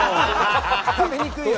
食べにくいよね。